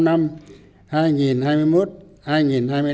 khẳng định những kết quả thành tiêu đã đạt được